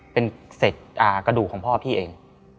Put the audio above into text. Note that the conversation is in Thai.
เป็นเศษกระดูกของพ่อพี่เอง